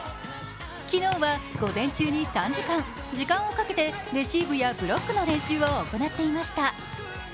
昨日は午前中に３時間、時間をかけてレシーブやブロックの練習を行っていました。